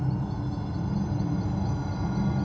พี่ป๋องครับผมเคยไปที่บ้านผีคลั่งมาแล้ว